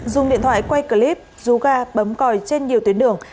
dùng điện thoại quay clip rú ga bấm còi trên nhiều tuyến đường